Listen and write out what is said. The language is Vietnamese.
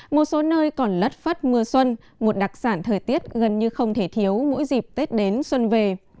một số nơi còn lất phất mưa xuân một đặc sản thời tiết gần như không thể thiếu mỗi dịp tết đến xuân về